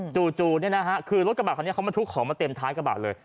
จู่คือรถกระบาดคันนี้เขามาทุกของมาเต็มท้ายกระบะเลย